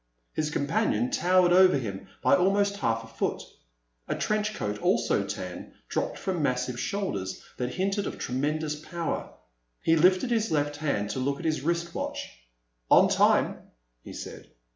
His companion towered over him by almost half a foot. A trench coat, also tan, dropped from massive shoulders that hinted of tremendous power. He lifted his left hand to look at his wrist watch. "On time," he said.